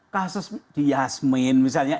kasus di yasmin misalnya